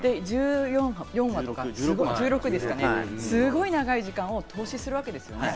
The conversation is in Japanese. １４話とか１６ですか、すごい長い時間を投資するわけですよね。